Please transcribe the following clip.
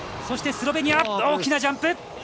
そして、スロベニアは大きなジャンプ！